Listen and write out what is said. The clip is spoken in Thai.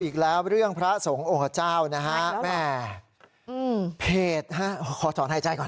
อีกแล้วเรื่องพระสงฆ์องค์เจ้านะฮะแม่เพจขอสอนหายใจก่อน